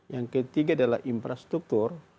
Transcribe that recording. yang ketiga adalah infrastruktur